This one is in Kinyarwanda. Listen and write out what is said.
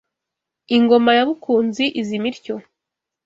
Ingoma ya Bukunzi izima ityo